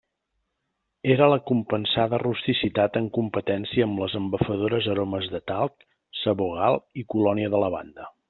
Era la compensada rusticitat en competència amb les embafadores aromes de talc, sabó Gal i colònia de lavanda.